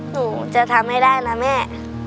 หนูจะทำให้ได้นะแม่